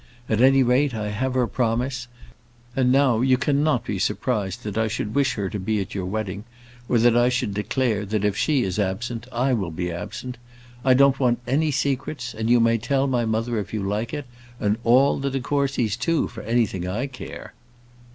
At any rate, I have her promise. And now, you cannot be surprised that I should wish her to be at your wedding; or that I should declare, that if she is absent, I will be absent. I don't want any secrets, and you may tell my mother if you like it and all the de Courcys too, for anything I care."